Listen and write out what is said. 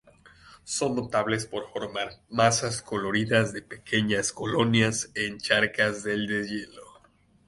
Son notables por formar masas coloridas de pequeñas colonias en charcas del deshielo.